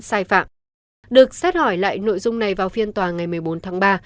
sai phạm được xét hỏi lại nội dung này vào phiên tòa ngày một mươi bốn tháng ba